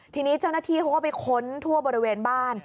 ทีนี้เจ้าหน้าที่เขาก็ไปค้นทั่วบริเวณบ้าน